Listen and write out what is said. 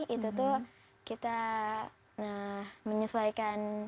itu tuh kita menyesuaikan